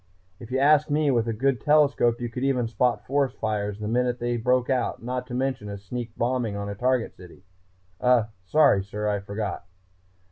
If you ask me, with a good telescope you could even spot forest fires the minute they broke out, not to mention a sneak bombing on a target city uh, sorry, sir, I forgot."